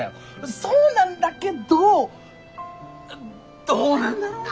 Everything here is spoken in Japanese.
そうなんだけどどうなんだろうな。